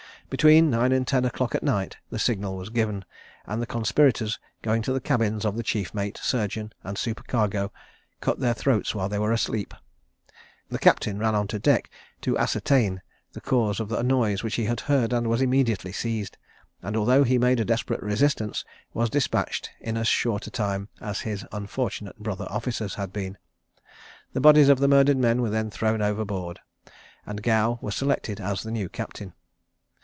Between nine and ten o'clock at night, the signal was given, and the conspirators going to the cabins of the chief mate, surgeon, and supercargo, cut their throats while they were asleep. The captain ran on deck to ascertain the cause of a noise which he heard, and was immediately seized, and, although he made a desperate resistance, was despatched in as short a time as his unfortunate brother officers had been. The bodies of the murdered men were then thrown overboard, and Gow was selected as the new captain.